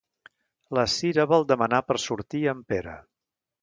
La Sira vol demanar per sortir a en Pere.